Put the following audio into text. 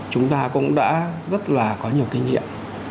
chúng ta cũng đã rất là có nhiều kinh nghiệm